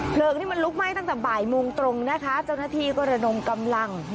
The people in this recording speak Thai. ที่มันลุกไหม้ตั้งแต่บ่ายโมงตรงนะคะเจ้าหน้าที่ก็ระดมกำลัง